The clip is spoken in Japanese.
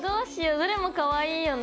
どれもかわいいよね。